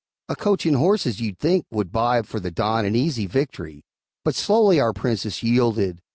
A coach and horses, you'd think, would buy For the Don an easy victory; But slowly our Princess yielded.